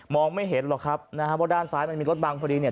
ไม่เห็นหรอกครับนะฮะว่าด้านซ้ายมันมีรถบังพอดีเนี่ย